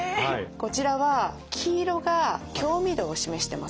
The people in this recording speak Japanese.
こちらは黄色が興味度を示してます。